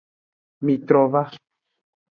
Mitrova.